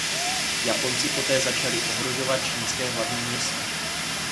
Japonci poté začali ohrožovat čínské hlavní město.